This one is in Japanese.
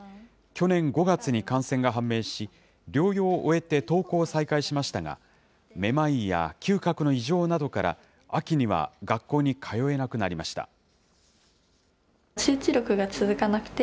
去年５月に感染が判明し、療養を終えて登校を再開しましたが、めまいや嗅覚の異常などから、秋には学校に通えなくなりました。